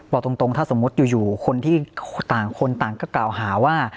บอกตรงถ้าสมมุติอยู่คนที่ต่างคนต่างก็กล่าวหาว่า